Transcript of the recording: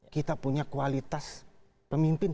kita punya kualitas pemimpin